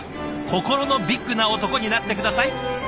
心のビッグな男になって下さい！